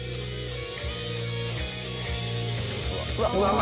うわうわっ！